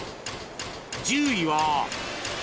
１０位は